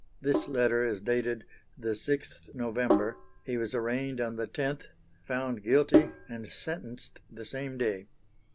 This letter is dated the 6th November; he was arraigned on the 10th, found guilty, and sentenced the same day.